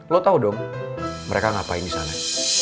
lo tahu dong mereka ngapain di sana